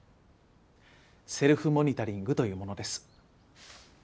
セルフモニタリングというものです。